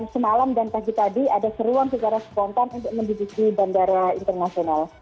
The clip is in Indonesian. semalam dan pagi tadi ada seruan secara spontan untuk mendidiki bandara internasional